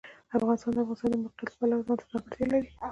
افغانستان د د افغانستان د موقعیت د پلوه ځانته ځانګړتیا لري.